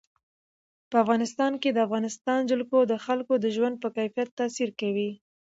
په افغانستان کې د افغانستان جلکو د خلکو د ژوند په کیفیت تاثیر کوي.